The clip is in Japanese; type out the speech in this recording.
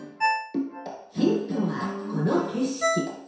ヒントはこの景色。